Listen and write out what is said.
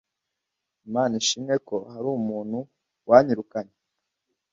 Imana ishimwe ko hari umuntu wanyirukanye